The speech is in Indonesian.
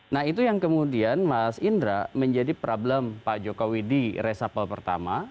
nah itu yang kemudian mas indra menjadi problem pak jokowi di resapel pertama